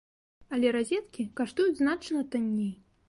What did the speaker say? Але разеткі каштуюць значна танней.